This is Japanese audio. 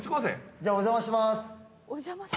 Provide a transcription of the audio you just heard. じゃあお邪魔します。